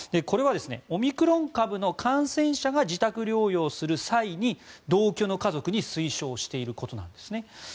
これはオミクロン株の感染者が自宅療養する際に、同居の家族に推奨していることなんですね。